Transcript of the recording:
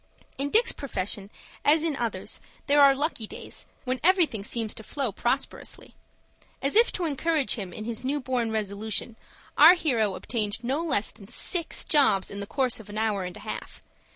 In Dick's profession as in others there are lucky days, when everything seems to flow prosperously. As if to encourage him in his new born resolution, our hero obtained no less than six jobs in the course of an hour and a half.